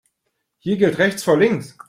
Hier gilt rechts vor links.